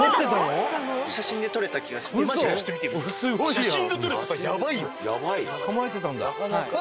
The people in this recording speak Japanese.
写真で撮れてたらヤバいよ。